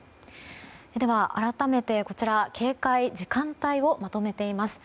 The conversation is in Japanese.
では改めてこちら警戒時間帯をまとめています。